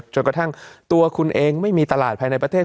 จนกระทั่งตัวคุณเองไม่มีตลาดภายในประเทศ